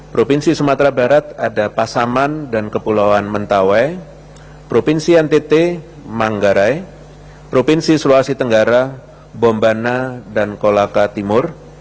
provinsi sumatera barat ada pasaman dan kepulauan mentawai provinsi ntt manggarai provinsi sulawesi tenggara bombana dan kolaka timur